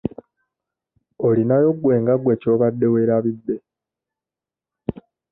Olinayo gwe nga gwe ky'obadde weerabidde?